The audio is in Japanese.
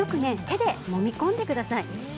手で、もみ込んでください。